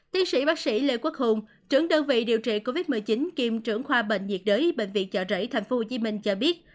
tiến sĩ bác sĩ lê quốc hùng trưởng đơn vị điều trị covid một mươi chín kiêm trưởng khoa bệnh nhiệt đới bệnh viện chợ rẫy tp hcm cho biết